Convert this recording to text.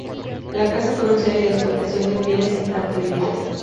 La caza comercial y la explotación de pieles están prohibidas.